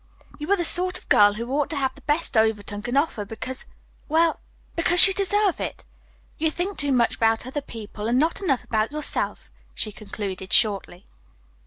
You are the sort of girl who ought to have the best Overton can offer, because well because you deserve it. You think too much about other people, and not enough about yourself," she concluded shortly.